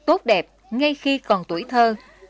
tốt đẹp ngay khi còn tuổi thơ